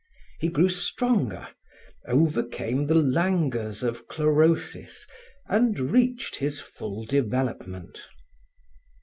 He grew stronger, overcame the languors of chlorosis and reached his full development.